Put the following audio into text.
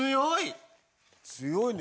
強い！